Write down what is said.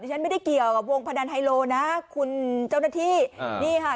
ฉันไม่ได้เกี่ยวกับวงพนันไฮโลนะคุณเจ้าหน้าที่นี่ค่ะ